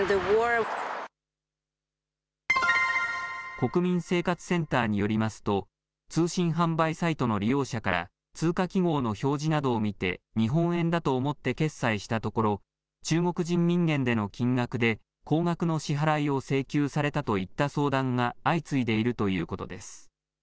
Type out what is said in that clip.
国民生活センターによりますと通信販売サイトの利用者から通貨記号の表示などを見て日本円だと思って決済したところ中国人民元での金額で高額の支払いを請求されたといった相談が相次いでいるということです。